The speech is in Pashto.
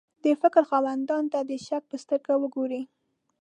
د فکر خاوندانو ته د شک په سترګه وګوري.